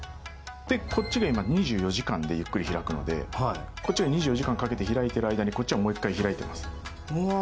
こっちが２４時間でゆっくり開くのでこっちが２４時間かけて開いている間にこっちはもう１回開いています。